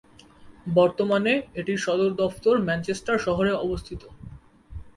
বর্তমানে, এটির সদর দফতর ম্যানচেস্টার শহরে অবস্থিত।